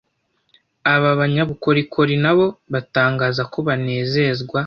Aba banyabukorikori nabo batangaza ko banezezwa